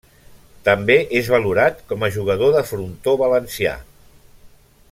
També és valorat com a jugador de frontó valencià.